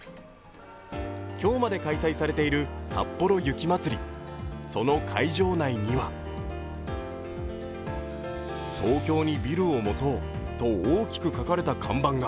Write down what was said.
今日まで開催されているさっぽろ雪まつり、その会場内には「東京にビルを持とう」と大きく書かれた看板が。